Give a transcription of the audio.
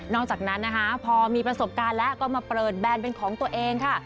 อกจากนั้นนะคะพอมีประสบการณ์แล้วก็มาเปิดแบรนด์เป็นของตัวเองค่ะ